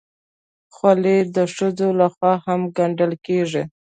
خولۍ د ښځو لخوا هم ګنډل کېږي.